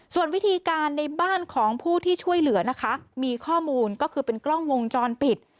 ส่วนวิธีการในบ้านของผู้ที่ช่วยเหลือนะคะมีข้อมูลก็คือเป็นกล้องวงจรปิด